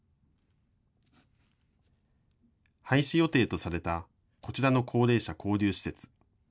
廃止予定とされたこちらの高齢者交流施設。